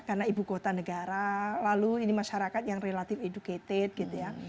karena ibu kota negara lalu ini masyarakat yang relative educated gitu ya